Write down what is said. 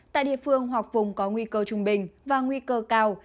tại địa phương hoặc vùng có nguy cơ trung bình và nguy cơ cao